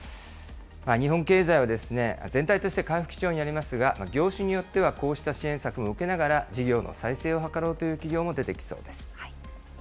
日本経済は全体として回復基調にありますが、業種によってはこうした支援策を受けながら、事業の再生を図ろうという企業も出てきそうです。